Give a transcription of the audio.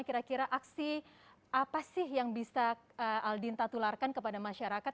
kira kira aksi apa sih yang bisa aldinta tularkan kepada masyarakat